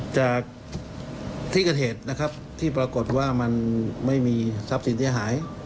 จากที่กระเทศนะครับที่ปรากฏว่ามันไม่มีทรัพย์สิทธิ์ที่หาย